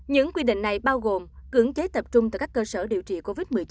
những quy định này bao gồm cưỡng chế tập trung tại các cơ sở điều trị covid một mươi chín